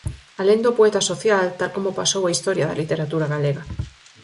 Alén do poeta social, tal como pasou á historia da literatura galega.